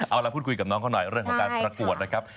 เอาล่ะพูดคุยกับน้องเขาหน่อยเรื่องของการประกวดนะครับ